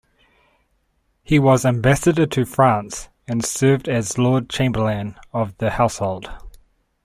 He was Ambassador to France and served as Lord Chamberlain of the Household.